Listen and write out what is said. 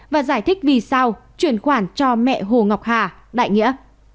và giải thích vì sao chuyển khoản cho mẹ hồ ngọc hà đại nghĩa